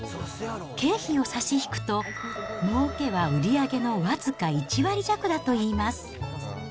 経費を差し引くと、もうけは売り上げの僅か１割弱だといいます。